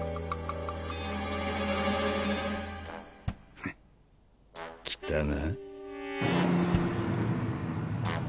フッ来たな。